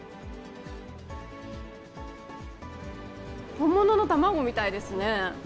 本物の卵みたいですね。